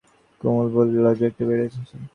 কুমুদ বলিল, লজ্জা একটু ভেঙেছে।